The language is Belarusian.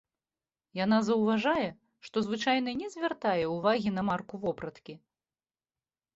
Яна заўважае, што звычайна не звяртае ўвагі на марку вопраткі.